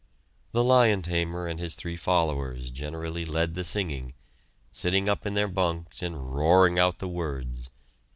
The "lion tamer" and his three followers generally led the singing, sitting up in their bunks and roaring out the words.